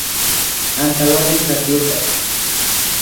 Antawpi sikarka